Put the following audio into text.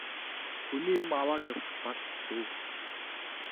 Хүний юм аваад явчих бас хэцүү.